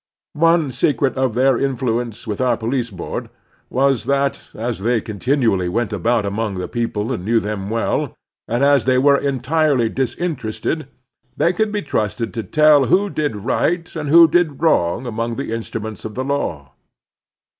One secret of their influence with otu* Police Board was that, as they continually went about among their people and knew them all, and as they were entirely disin terested, they could be trusted to tell who did right and who did wrong among the instruments of the law.